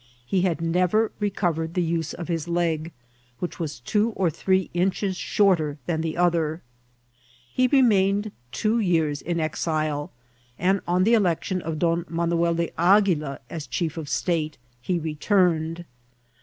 He had never recovered the use of his leg, which veas two or three inches shorter than the other. He remained two years in exile ; and on the election of Don Manuel de Aguila as chief of the state, returned.